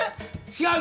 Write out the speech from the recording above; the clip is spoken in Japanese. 違う！